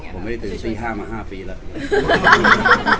ผมไม่ได้เติม๔๕มา๕ฟีแล้ว